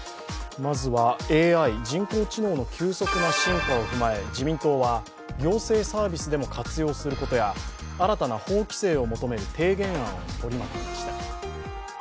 まずは、ＡＩ＝人工知能の急速な進化を踏まえ、自民党は行政サービスでも活用することや新たな法規制を求める提言案を取りまとめました。